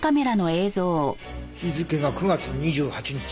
日付が９月２８日。